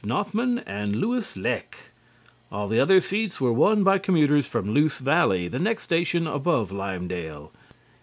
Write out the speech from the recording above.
Nothman and Louis Leque. All the other seats were won by commuters from Loose Valley, the next station above Lymedale.